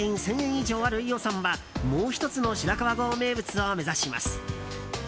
以上ある飯尾さんはもう１つの白川郷名物を目指します。